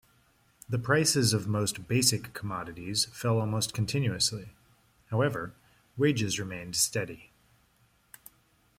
The prices of most basic commodities fell almost continuously; however, wages remained steady.